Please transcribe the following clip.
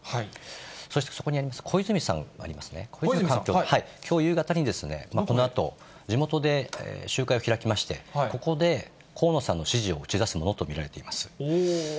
そしてそこにあります小泉さんありますね、きょう夕方にこのあと、地元で集会を開きまして、ここで河野さんの支持を打ち出すものと見られています。